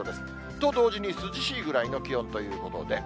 と同時に、涼しいぐらいの気温ということで。